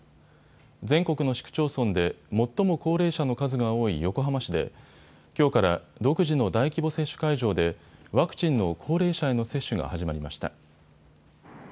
全国の市区町村で最も高齢者の数が多い横浜市できょうから独自の大規模接種会場でワクチンの高齢者への接種が始まりました。